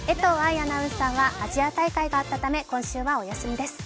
アナウンサーはアジア大会があったため今週はお休みです。